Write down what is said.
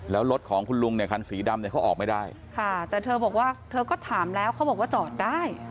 แล้วรถของคุณลุงเนี่ยคันสีดำเนี่ยเขาออกไม่ได้ค่ะแต่เธอบอกว่าเธอก็ถามแล้วเขาบอกว่าจอดได้